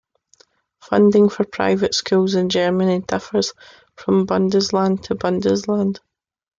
Funding for private schools in Germany differs from Bundesland to Bundesland.